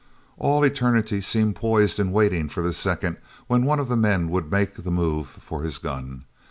All eternity seemed poised and waiting for the second when one of the men would make the move for his gun.